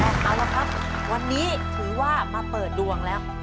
เอาละครับวันนี้ถือว่ามาเปิดดวงแล้ว